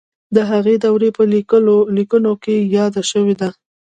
د هغې دورې په لیکنو کې یاده شوې ده.